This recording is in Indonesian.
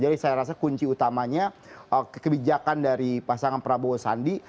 jadi saya rasa kunci utamanya kebijakan dari pasangan prabowo sandi